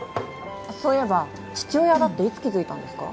そういえば父親だっていつ気づいたんですか？